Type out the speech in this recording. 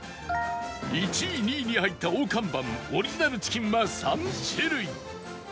１位２位に入った大看板オリジナルチキンは３種類